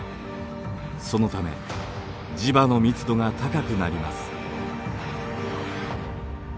そのため磁場の密度が高くなります。